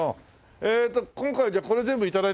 えっと今回じゃあこれ全部頂いていこうかな。